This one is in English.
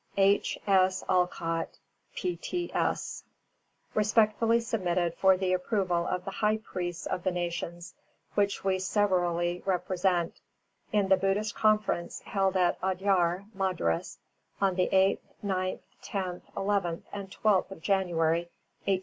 H. S. OLCOTT, P.T.S. Respectfully submitted for the approval of the High Priests of the nations which we severally represent, in the Buddhist Conference held at Adyar, Madras, on the 8th, 9th, 10th, 11th, and 12th of January, 1891 (A.